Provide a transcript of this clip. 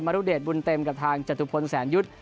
รุเดชบุญเต็มกับทางจตุพลแสนยุทธ์